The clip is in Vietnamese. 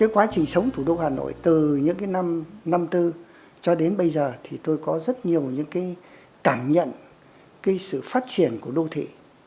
quá trình sống thủ đô hà nội từ năm một nghìn chín trăm năm mươi bốn cho đến bây giờ tôi có rất nhiều cảm nhận sự phát triển của đô thị